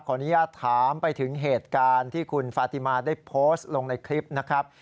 อนุญาตถามไปถึงเหตุการณ์ที่คุณฟาติมาได้โพสต์ลงในคลิปนะครับ